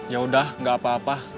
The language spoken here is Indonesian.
yaudah gak apa apa